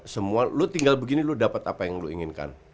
semua lu tinggal begini lo dapat apa yang lo inginkan